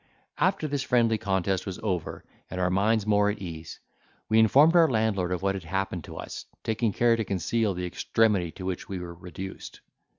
After this friendly contest was over, and our minds more at ease, we informed our landlord of what had happened to us, taking care to conceal the extremity to which we were reduced.